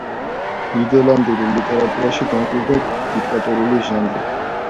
ნიდერლანდურ ლიტერატურაში დაამკვიდრა დიდაქტიკური ჟანრი.